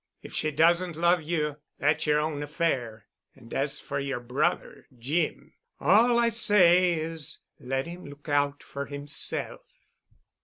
If she doesn't love you that's yer own affair. And as for yer brother, Jim—all I say is let him look out for himself."